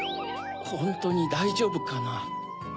ホントにだいじょうぶかな？